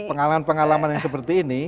pengalaman pengalaman yang seperti ini